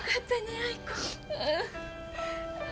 愛子。